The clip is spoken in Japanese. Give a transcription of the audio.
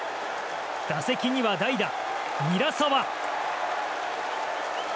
打席には代打、韮澤。